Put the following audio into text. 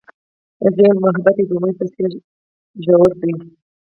هغې وویل محبت یې د امید په څېر ژور دی.